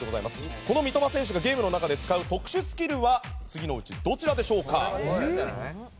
この三笘選手がゲームの中で使う特殊スキルは次のうちどちらでしょうか？